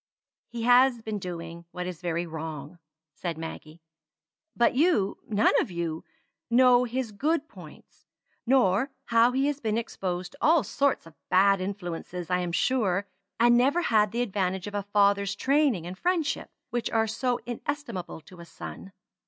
"He has been doing what is very wrong," said Maggie. "But you none of you know his good points nor how he has been exposed to all sorts of bad influences, I am sure; and never had the advantage of a father's training and friendship, which are so inestimable to a son.